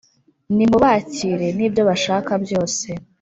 nimubakire nibyo bashaka byose